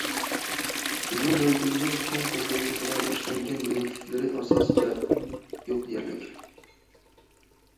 بىزنىڭ دۆلىتىمىزنىڭ چوڭ قۇرۇقلۇقىدا ئىشلەنگەن يېمەكلىكلىرى ئاساسىي جەھەتتىن يوق دېيەرلىك.